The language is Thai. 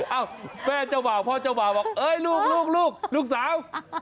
เอ้าแม่เจ้าหมาพ่อเจ้าหมาว่าลูกสาว